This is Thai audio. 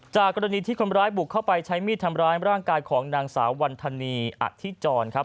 กรณีที่คนร้ายบุกเข้าไปใช้มีดทำร้ายร่างกายของนางสาววันธนีอธิจรครับ